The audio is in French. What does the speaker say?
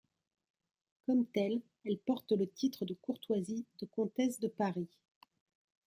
Comme telle, elle porte le titre de courtoisie de comtesse de Paris.